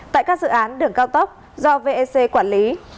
tại các dự án đường cao tốc do vec quản lý